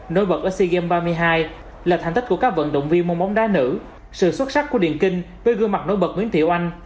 nối bật ở sea games ba mươi hai là thành tích của các vận động viên mông bóng đá nữ sự xuất sắc của điện kinh với gương mặt nối bật nguyễn thiệu anh